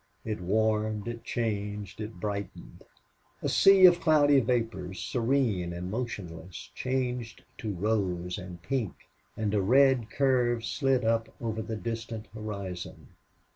It warmed, it changed, it brightened. A sea of cloudy vapors, serene and motionless, changed to rose and pink; and a red curve slid up over the distant horizon.